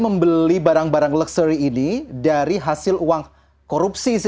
membeli barang barang luxury ini dari hasil uang korupsi